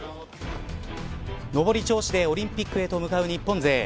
のぼり調子でオリンピックへと向かう日本勢。